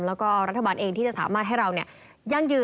แล้วก็รัฐบาลเองที่จะสามารถให้เรายั่งยืน